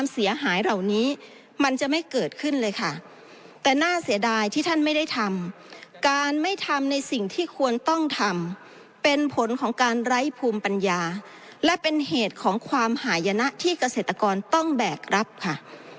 การไม่ทำในสิ่งที่ควรต้องทำเป็นผลของการไร้ภูมิปัญญาและเป็นเหตุของความหายนะที่เกษตรกรต้องแบกรับค่ะ